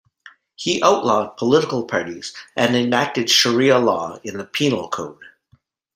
He outlawed political parties and enacted Sharia law in the penal code.